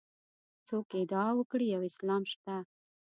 څوک ادعا وکړي یو اسلام شته.